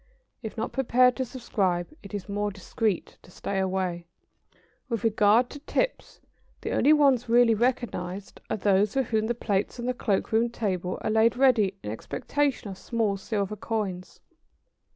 If not prepared to subscribe, it is more discreet to stay away. [Sidenote: On tips.] With regard to tips the only ones really recognised are those for which the plates on the cloak room table are laid ready in expectation of small silver coins.